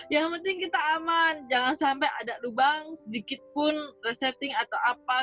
yang penting kita aman jangan sampai ada lubang sedikit pun resetting atau apa